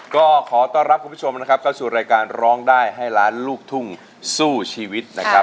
ก็ขอต้อนรับคุณผู้ชมนะครับเข้าสู่รายการร้องได้ให้ล้านลูกทุ่งสู้ชีวิตนะครับ